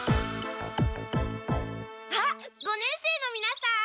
あっ五年生のみなさん！